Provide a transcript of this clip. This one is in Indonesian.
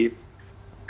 setelah kita masuk